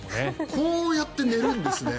こうやって寝るんですね。